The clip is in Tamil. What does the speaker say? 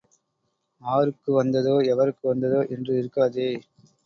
ஆருக்கு வந்ததோ, எவருக்கு வந்ததோ என்று இருக்காதே.